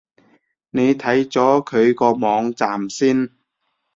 你睇咗佢個網站先